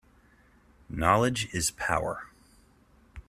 Knowledge is power.